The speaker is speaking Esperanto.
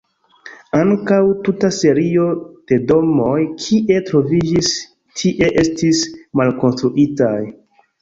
Ankaŭ tuta serio de domoj kie troviĝis tie estis malkonstruitaj.